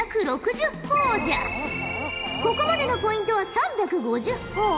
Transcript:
ここまでのポイントは３５０ほぉ。